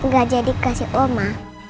gak jadi kasih oma